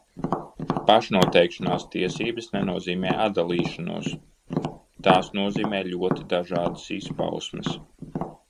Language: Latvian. Pašnoteikšanās tiesības nenozīmē atdalīšanos, tās nozīmē ļoti dažādas izpausmes.